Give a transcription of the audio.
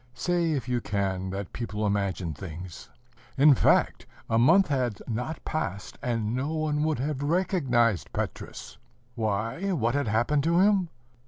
Say, if you can, that people imagine things! In fact, a month had not passed, and no one would have recognized Petrus. Why, what had happened to him?